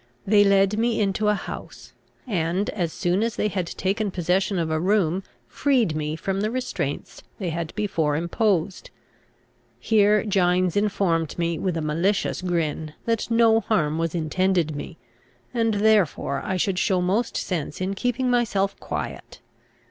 They led me into a house, and, as soon as they had taken possession of a room freed me from the restraints they had before imposed Here Gines informed me with a malicious grin that no harm was intended me, and therefore I should show most sense in keeping myself quiet.